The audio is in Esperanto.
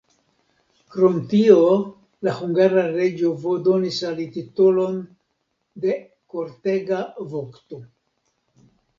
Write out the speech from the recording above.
Krom tio la hungara reĝo donis al li titolon de kortega vokto.